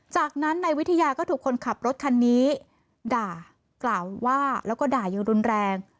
จากนั้นนายวิทยาก็ถูกคนขับรถคันนี้ด่ากล่าวว่าแล้วก็ด่ายังรุนแรง